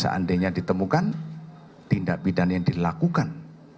seandainya ditemukan tindak pidana yang dilakukan